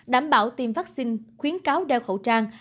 đảm bảo tiêm vaccine khuyến cáo đeo khẩu trang